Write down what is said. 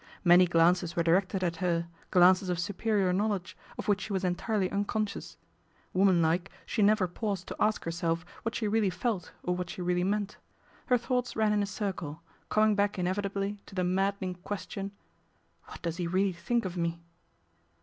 Many jlances were directed at her, glances of superior lowledge, of which she was entirely unconscious. Woman like she never paused to ask herself what ic really felt or what she really meant. Her :houghts ran in a circle, coming back inevitably :o the maddening question, " What does he really :hink of me